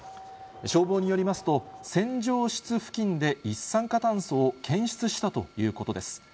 消防によりますと、洗浄室付近で一酸化炭素を検出したということです。